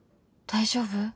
「大丈夫？